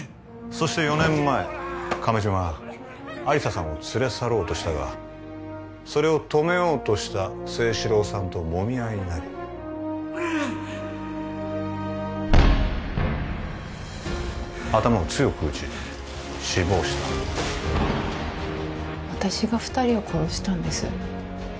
そして４年前亀島は亜理紗さんを連れ去ろうとしたがそれを止めようとした征四郎さんともみ合いになり頭を強く打ち死亡した私が二人を殺したんです